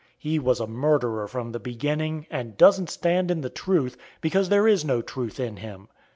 He was a murderer from the beginning, and doesn't stand in the truth, because there is no truth in him.